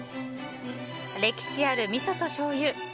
歴史あるみそとしょうゆ